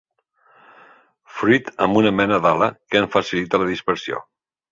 Fruit amb una mena d'ala que en facilita la dispersió.